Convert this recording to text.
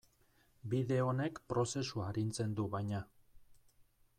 Bide honek prozesua arintzen du, baina.